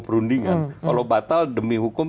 perundingan kalau batal demi hukum